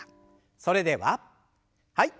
それでははい。